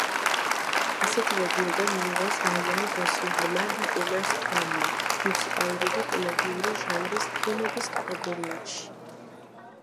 ასეთივე ჯილდო მიიღეს რაიან გოსლინგმა და ემა სტოუნმა მუსიკალური და კომედიური ჟანრის ფილმების კატეგორიაში.